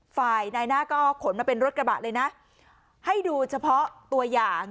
ฝ่ายนายหน้าก็ขนมาเป็นรถกระบะเลยนะให้ดูเฉพาะตัวอย่าง